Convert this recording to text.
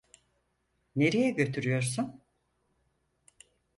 Nereye götürüyorsun?